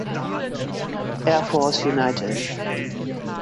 Air Force United